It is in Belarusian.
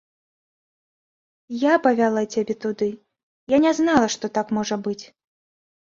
Я павяла цябе туды, я не знала, што так можа быць.